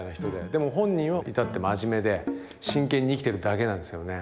でも本人は至って真面目で真剣に生きてるだけなんですよね。